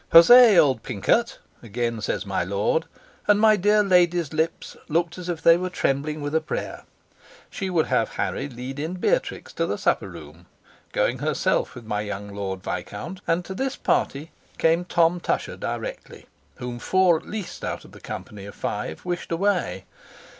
"Huzzay, old Pincot!" again says my lord; and my dear lady's lips looked as if they were trembling with a prayer. She would have Harry lead in Beatrix to the supper room, going herself with my young Lord Viscount; and to this party came Tom Tusher directly, whom four at least out of the company of five wished away.